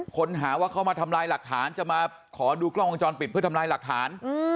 ค้นหาว่าเขามาทำลายหลักฐานจะมาขอดูกล้องวงจรปิดเพื่อทำลายหลักฐาน